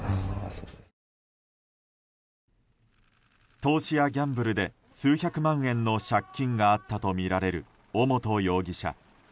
投資やギャンブルで数百万円の借金があったとみられる尾本容疑者。